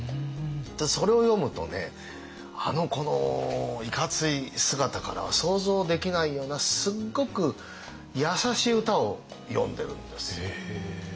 それを読むとねあのいかつい姿からは想像できないようなすっごく優しい歌を詠んでるんですよ。